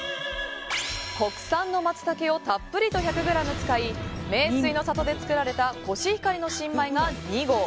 国産のマツタケをたっぷりと１００ｇ使い名水の里で作られたコシヒカリの新米が２合。